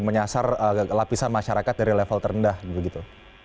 menyasar lapisan masyarakat dari level terendah gitu gitu